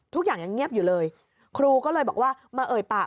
ทุกอย่างยังเงียบอยู่เลยครูก็เลยบอกว่ามาเอ่ยปาก